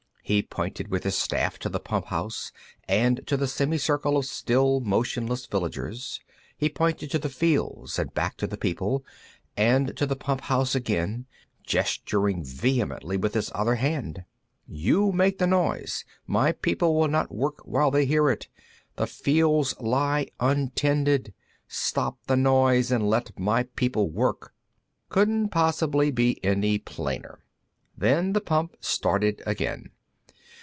He pointed with his staff to the pump house, and to the semicircle of still motionless villagers. He pointed to the fields, and back to the people, and to the pump house again, gesturing vehemently with his other hand. _You make the noise. My people will not work while they hear it. The fields lie untended. Stop the noise, and let my people work._ Couldn't possibly be any plainer. Then the pump started again.